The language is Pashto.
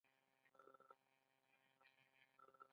د چای بوی مې کور ته تازه والی ورکړ.